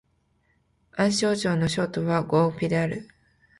安徽省の省都は合肥である